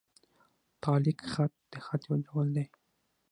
تعلیق خط؛ د خط یو ډول دﺉ.